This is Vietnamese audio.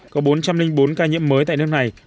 có bốn trăm linh bốn ca nhiễm mới tại nước này